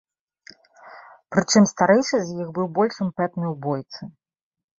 Прычым старэйшы з іх быў больш імпэтны ў бойцы.